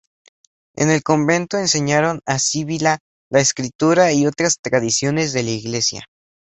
En el convento enseñaron a Sibila la escritura y otras tradiciones de la Iglesia.